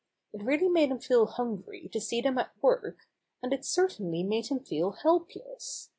It really made him feel hungry to see them at work, and it certainly made him feel helpless.